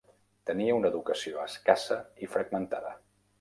Tenia una educació escassa i fragmentada.